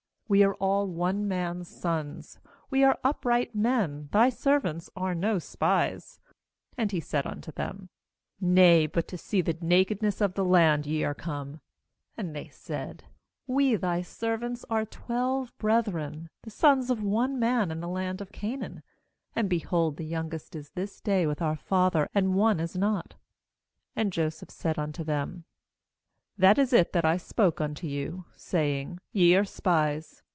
uWe are all one man's sons; we are upright men, thy servants are no spies/ 12And he said unto them :' Nay, but to see the nakedness of the land ye are come/ ^And they said: cWe thy servants are twelve brethren, the sons of one man in the land of Canaan; and, behold, the youngest is this day with our father, and one is not/ I4And Joseph said unto them: 'That is it that I spoke unto you, saying: Ye are spies.